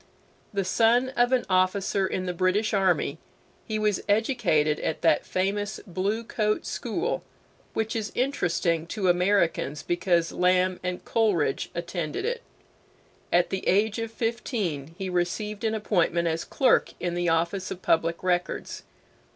The son of an officer in the British army, he was educated at that famous Blue Coat School which is interesting to Americans because Lamb and Coleridge attended it. At the age of fifteen he received an appointment as clerk in the office of Public Records.